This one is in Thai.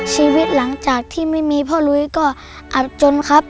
ชีวิตหลังจากที่ไม่มีพ่อลุยก็อับจนครับ